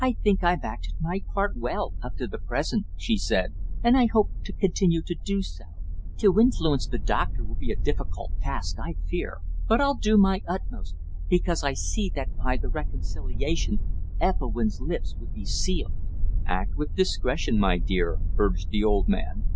"I think I've acted my part well, up to the present," she said, "and I hope to continue to do so. To influence the doctor will be a difficult task, I fear. But I'll do my utmost, because I see that by the reconciliation Ethelwynn's lips would be sealed." "Act with discretion, my dear," urged the old man.